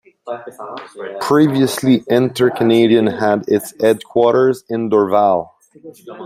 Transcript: Previously Inter-Canadien had its headquarters in Dorval.